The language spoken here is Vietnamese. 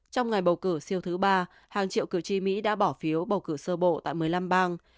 trong ngày bầu cử siêu thứ ba hàng triệu cử tri mỹ đã bỏ phiếu bầu cử sơ bộ tại một mươi năm bang